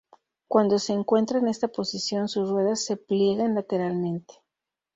Cuando se encuentra en esta posición, sus ruedas se pliegan lateralmente.